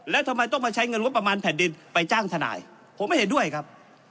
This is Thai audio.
แล้วทำไมต้องมาใช้เงินงบประมาณแผ่นดินไปจ้างทนายผมไม่เห็นด้วยครับ